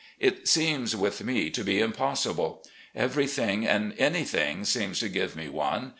It seems with me to be impossible. Ever3rthing and an3rthing seems to give me one.